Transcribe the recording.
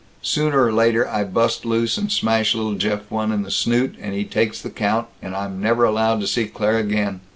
Sooner or later I bust loose and smash little Jeff one in the snoot, and he takes the count, and I'm never allowed to see Claire again.